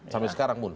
sampai sekarang pun